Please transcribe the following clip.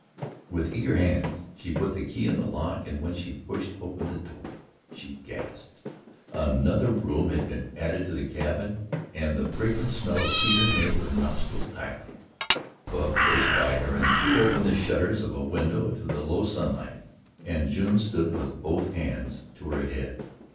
With eager hands she put the key in the lock and when she pushed open the door, she gasped. Another room had been added to the cabin and the fragrant smell of cedar made her nostrils dilate. Bub pushed by her and threw open the shutters of a window to the low sunlight, and June stood with both hands to her head.